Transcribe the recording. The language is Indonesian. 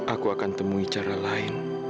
aku akan temui cara lain